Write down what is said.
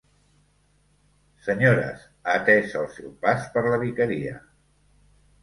Senyores, atès el seu pas per la vicaria.